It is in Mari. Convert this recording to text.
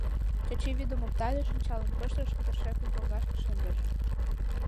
Чачи вӱдым оптале, шинчалым пыштыш, кӧршӧкым коҥгашке шындыш.